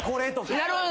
なるほど。